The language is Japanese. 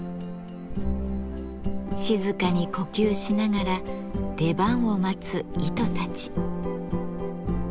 静かに呼吸しながら出番を待つ糸たち。